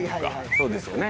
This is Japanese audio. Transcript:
そうですよね。